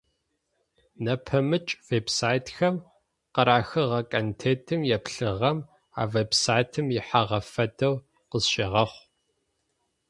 Нэпэмыкӏ веб-сайтхэм къарыхыгъэ контентым еплъыгъэм а веб-сайтым ихьагъэ фэдэу къызщегъэхъу.